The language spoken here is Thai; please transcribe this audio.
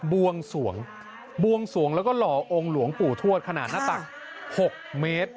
บวงสวงบวงสวงแล้วก็หล่อองค์หลวงปู่ทวดขนาดหน้าตัก๖เมตร